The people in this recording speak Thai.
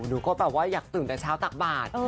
หนูก็แบบว่าอยากตื่นแต่เช้าตักบาท